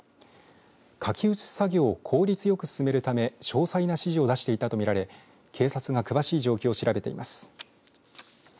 書き写し作業を効率よく進めるため詳細な指示をだしていたとみられ警察が詳しい状況を調べています。